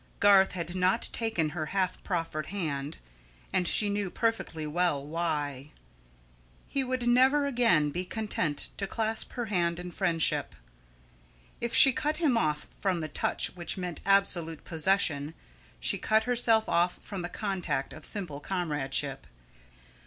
Garth had not taken her half proffered hand, and she knew perfectly well why. He would never again be content to clasp her hand in friendship. If she cut him off from the touch which meant absolute possession, she cut herself off from the contact of simple comradeship.